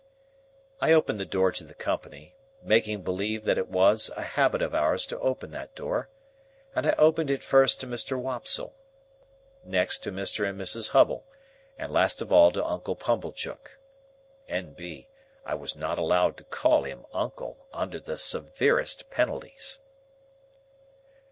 I opened the door to the company,—making believe that it was a habit of ours to open that door,—and I opened it first to Mr. Wopsle, next to Mr. and Mrs. Hubble, and last of all to Uncle Pumblechook. N.B. I was not allowed to call him uncle, under the severest penalties.